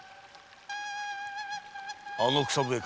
あの草笛か。